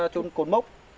trôn cồn mốc